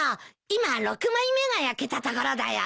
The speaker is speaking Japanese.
今６枚目が焼けたところだよ。